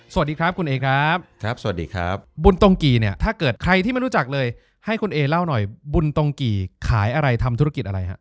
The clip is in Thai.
สวัสดีครับคุณเอครับบุนตงกี่เนี่ยไหนที่ไม่รู้จักล่ะให้คุณเอเล่าหน่อยบุนตงกี่ขายอะไรทำธุรกิจอะไรค่ะ